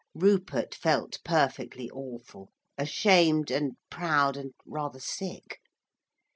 Rupert felt perfectly awful, ashamed and proud and rather sick.